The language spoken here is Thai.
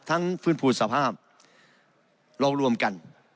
ทั้งฟื้นภูมิสภาพเรารวมกัน